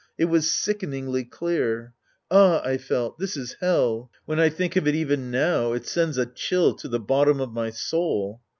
It was sickeningly clear. "Ah," I felt, "this is Hell." When I think of it even now, it sends a cliill to the bottom of my soul.